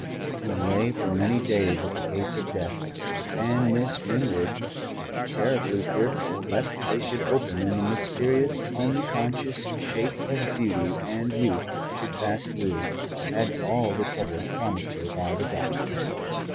He lay for many days at the gates of Death, and Miss Winwood, terribly fearful lest they should open and the mysterious, unconscious shape of beauty and youth should pass through, had all the trouble promised her by the doctor.